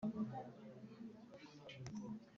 Ingingo ya uburyo bwo gutanga raporo